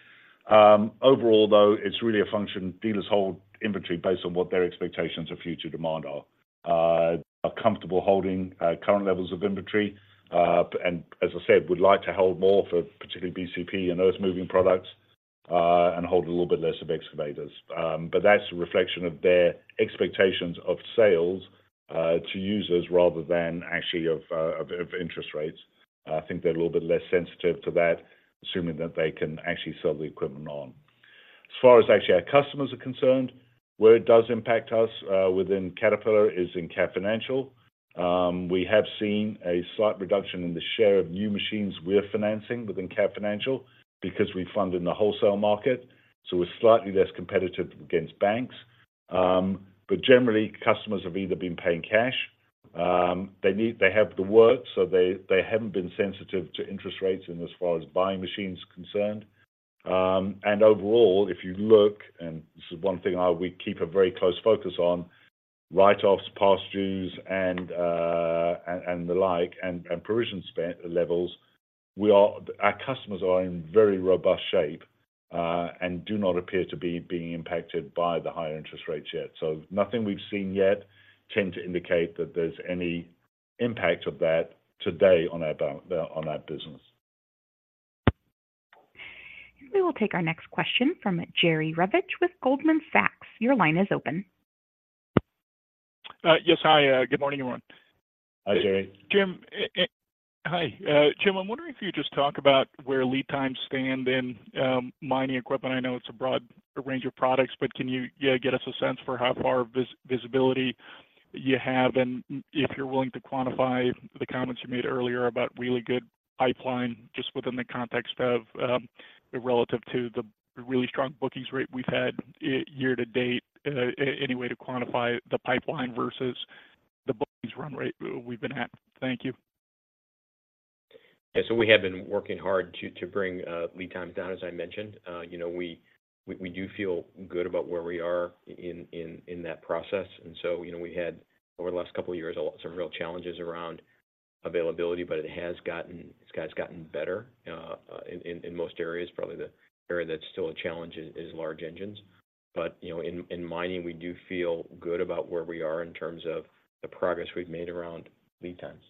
Overall, though, it's really a function, dealers hold inventory based on what their expectations of future demand are. Are comfortable holding current levels of inventory, but and as I said, would like to hold more for particularly BCP and Earthmoving products, and hold a little bit less of excavators. But that's a reflection of their expectations of sales to users rather than actually of interest rates. I think they're a little bit less sensitive to that, assuming that they can actually sell the equipment on. As far as actually our customers are concerned, where it does impact us within Caterpillar is in Cat Financial. We have seen a slight reduction in the share of new machines we're financing within Cat Financial because we fund in the wholesale market, so we're slightly less competitive against banks. But generally, customers have either been paying cash, they need-- they have the work, so they, they haven't been sensitive to interest rates in as far as buying machines is concerned. Overall, if you look, and this is one thing we keep a very close focus on, write-offs, past dues, and the like, and provision spent levels, our customers are in very robust shape and do not appear to be being impacted by the higher interest rates yet. So nothing we've seen yet tend to indicate that there's any impact of that today on our business. We will take our next question from Jerry Revich with Goldman Sachs. Your line is open. Yes. Hi, good morning, everyone. Hi, Jerry. Jim. Hi. Jim, I'm wondering if you could just talk about where lead times stand in mining equipment. I know it's a broad range of products, but can you get us a sense for how far visibility you have? And if you're willing to quantify the comments you made earlier about really good pipeline, just within the context of relative to the really strong bookings rate we've had year to date, any way to quantify the pipeline versus the bookings run rate we've been at? Thank you. Yeah. So we have been working hard to bring lead times down, as I mentioned. You know, we do feel good about where we are in that process. And so, you know, we had, over the last couple of years, a lot, some real challenges around availability, but it has gotten, it's gotten better in most areas. Probably the area that's still a challenge is large engines. But, you know, in mining, we do feel good about where we are in terms of the progress we've made around lead times.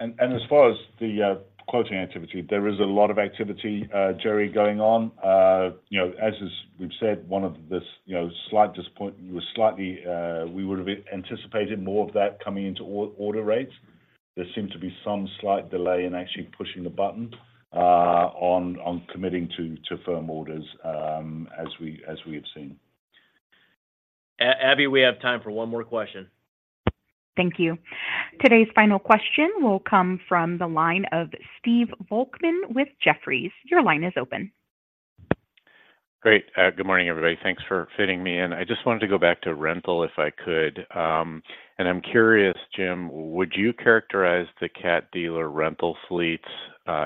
Yeah. And as far as the quoting activity, there is a lot of activity, Jerry, going on. You know, as we've said, one of the, you know, slight disappointment was slightly. We would have anticipated more of that coming into order rates. There seems to be some slight delay in actually pushing the button on committing to firm orders, as we have seen. Abby, we have time for one more question. Thank you. Today's final question will come from the line of Steve Volkmann with Jefferies. Your line is open. Great. Good morning, everybody. Thanks for fitting me in. I just wanted to go back to rental if I could. And I'm curious, Jim, would you characterize the Cat dealer rental fleets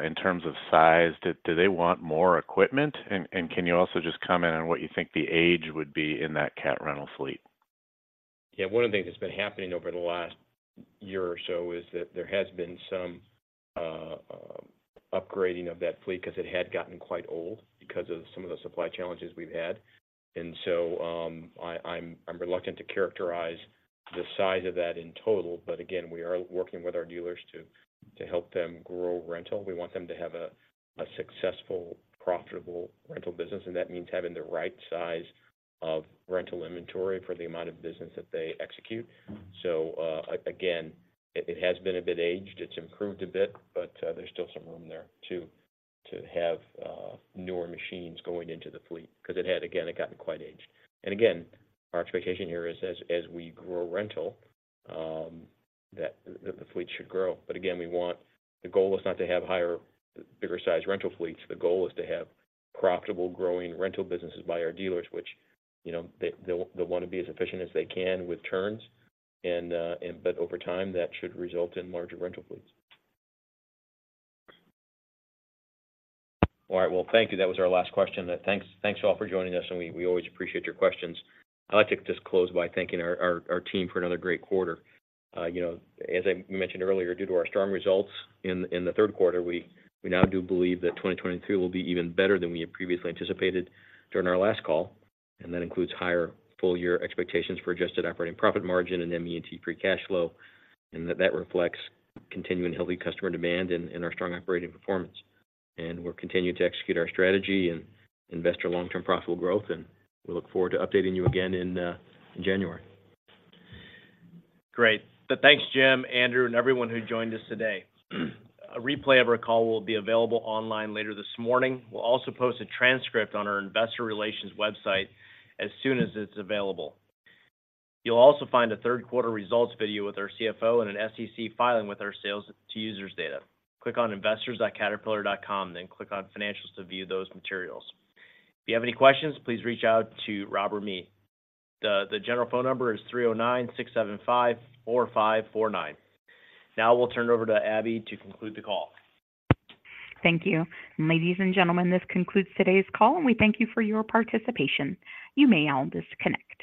in terms of size? Do they want more equipment? And can you also just comment on what you think the age would be in that Cat rental fleet? Yeah, one of the things that's been happening over the last year or so is that there has been some upgrading of that fleet because it had gotten quite old because of some of the supply challenges we've had. And so, I'm reluctant to characterize the size of that in total, but again, we are working with our dealers to help them grow rental. We want them to have a successful, profitable rental business, and that means having the right size of rental inventory for the amount of business that they execute. So, again, it has been a bit aged, it's improved a bit, but there's still some room there to have newer machines going into the fleet, because it had again it gotten quite aged. And again, our expectation here is as we grow rental, that the fleet should grow. But again, we want the goal is not to have higher, bigger size rental fleets. The goal is to have profitable, growing rental businesses by our dealers, which, you know, they'll want to be as efficient as they can with turns, and, but over time, that should result in larger rental fleets. All right. Well, thank you. That was our last question. Thanks, all for joining us, and we always appreciate your questions. I'd like to just close by thanking our team for another great quarter. You know, as I mentioned earlier, due to our strong results in the third quarter, we now do believe that 2022 will be even better than we had previously anticipated during our last call, and that includes higher full-year expectations for adjusted operating profit margin and ME&T free cash flow, and that reflects continuing healthy customer demand and our strong operating performance. We're continuing to execute our strategy and invest in our long-term profitable growth, and we look forward to updating you again in January. Great. So thanks, Jim, Andrew, and everyone who joined us today. A replay of our call will be available online later this morning. We'll also post a transcript on our investor relations website as soon as it's available. You'll also find a third quarter results video with our CFO and an SEC filing with our sales to users data. Click on investors.caterpillar.com, then click on Financials to view those materials. If you have any questions, please reach out to Rob or me. The general phone number is 309-675-4549. Now we'll turn it over to Abby to conclude the call. Thank you. Ladies and gentlemen, this concludes today's call, and we thank you for your participation. You may all disconnect.